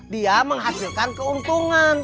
dia menghasilkan keuntungan